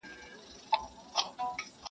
یو موږک دی چي په نورو نه ګډېږي.